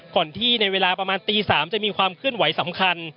ก่อนที่ในเวลาประมาณตี๓จะมีความเคลื่อนไหวสำคัญ